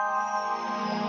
tapi jangan kawal